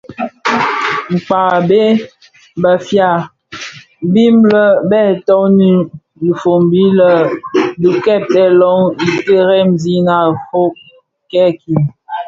Kpag a bheg Bafia mbiň bè toňi dhifombi di kibèè löň itèfèna kifög kèèkin,